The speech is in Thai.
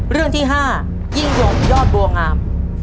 เรื่องที่๕ยิ่งยงยอดบัวงาม